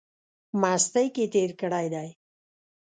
مستۍ کښې تېر کړی دی۔